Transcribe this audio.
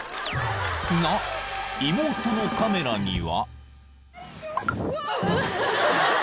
［が妹のカメラには］